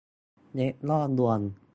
เว็บล่อลวง